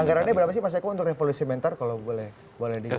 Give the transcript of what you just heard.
anggarannya berapa sih pak seko untuk revolusi mental kalau boleh diisirin